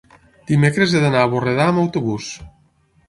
dimecres he d'anar a Borredà amb autobús.